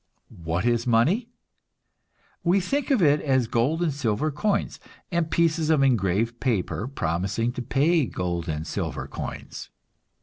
What is money? We think of it as gold and silver coins, and pieces of engraved paper promising to pay gold and silver coins.